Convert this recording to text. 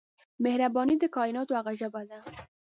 مهرباني د کایناتو هغه ژبه ده